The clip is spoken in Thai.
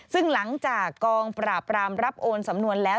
ซึ่งหลังจากกองปราบรามรับโอนสำนวนแล้ว